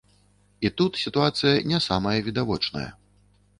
І тут сітуацыя не самая відавочная.